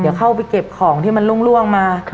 เดี๋ยวเข้าไปเก็บของที่มันล่วงมา